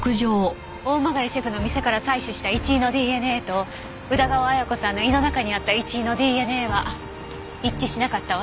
大曲シェフの店から採取したイチイのＤＮＡと宇田川綾子さんの胃の中にあったイチイのＤＮＡは一致しなかったわ。